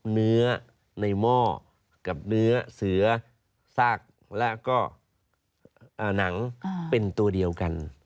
เนื้อในหม้อกับเนื้อเสือซากและก็หนังเป็นตัวเดียวกัน